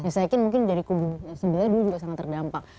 saya yakin mungkin dari kubu sebelah dulu juga sangat terdampak